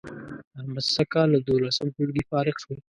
احمد سږ کال له دولسم ټولگي فارغ شو